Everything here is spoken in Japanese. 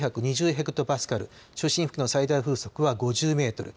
ヘクトパスカル中心付近の最大風速は５０メートル